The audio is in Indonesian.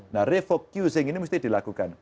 nah refocusing ini mesti dilakukan